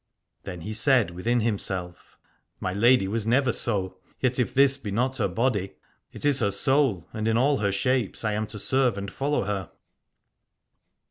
Then he said within himself: My lady was never so : yet if this be not her body it is her soul, and in all her shapes I am to serve and follow her.